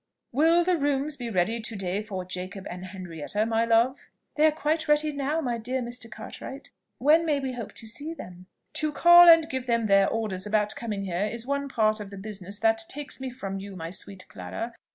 "Will the rooms be ready to day for Jacob and Henrietta, my love?" "They are quite ready now, my dear Mr. Cartwright. When may we hope to see them?" "To call and give them their orders about coming here is one part of the business that takes me from you, my sweet Clara.